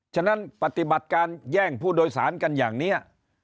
ฉะนั้นปฏิบัติการแย่งผู้โดยสารกันอย่างนี้